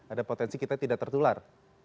ada potensi kita tidak tertular